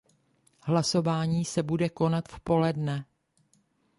Hlasování se bude konat v poledne.